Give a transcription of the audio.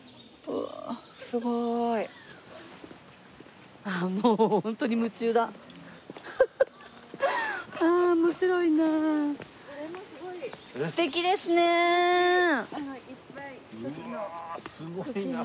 うわあすごいな。